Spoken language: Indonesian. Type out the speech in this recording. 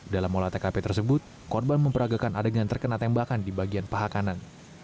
dalam olah tkp tersebut korban memperagakan adegan terkena tembakan di bagian paha kanan